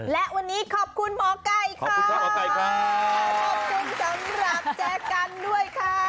และวันนี้ขอบคุณหมอก้ายค่ะขอบคุณสำหรับแจกันด้วยค่ะขอบคุณสำหรับแจกันด้วยค่ะ